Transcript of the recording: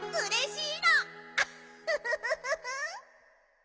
フフフフ。